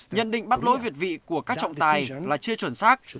nhận định bắt lỗi việt vị của các trọng tài là chưa chuẩn xác